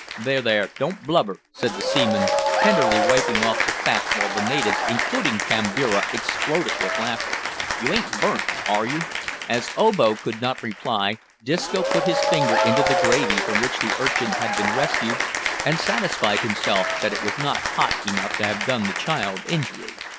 "There, there, don't blubber," said the seaman, tenderly wiping off the fat while the natives, including Kambira, exploded with laughter. "You ain't burnt, are you?" As Obo could not reply, Disco put his finger into the gravy from which the urchin had been rescued, and satisfied himself that it was not hot enough to have done the child injury.